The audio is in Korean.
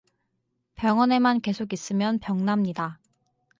병원에만 계속 있으면 병납니다.